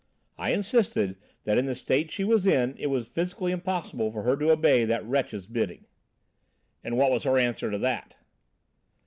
I insisted that in the state she was in it was physically impossible for her to obey that wretch's bidding." "And what was her answer to that?"